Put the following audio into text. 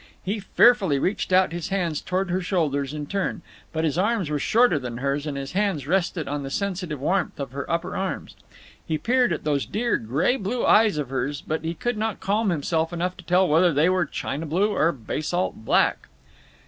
He fearfully reached out his hands toward her shoulders in turn, but his arms were shorter than hers, and his hands rested on the sensitive warmth of her upper arms. He peered at those dear gray blue eyes of hers, but he could not calm himself enough to tell whether they were china blue or basalt black.